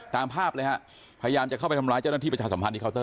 ตามภาพเลยฮะพยายามจะเข้าไปทำร้ายเจ้าหน้าที่ประชาสัมพันธ์ที่เคานเต